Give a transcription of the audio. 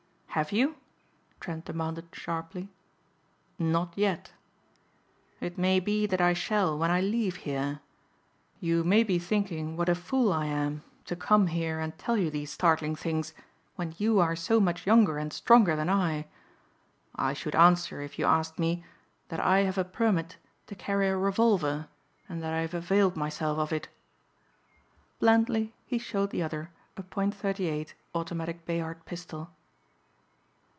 "Have you?" Trent demanded sharply. "Not yet. It may be that I shall when I leave here. You may be thinking what a fool I am to come here and tell you these startling things when you are so much younger and stronger than I. I should answer, if you asked me, that I have a permit to carry a revolver and that I have availed myself of it." Blandly he showed the other a .38 automatic Bayard pistol.